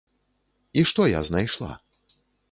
І што я знайшла?